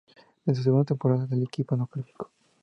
En su segunda temporada el equipo no calificó.